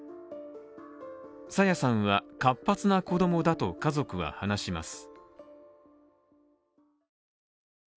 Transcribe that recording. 朝芽さんは活発な子供だと家族は話します。